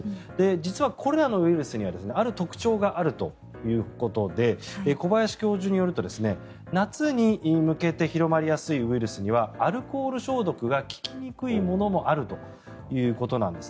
実は、これらのウイルスにはある特徴があるということで小林教授によると夏に向けて広まりやすいウイルスにはアルコール消毒が効きにくいものもあるということです。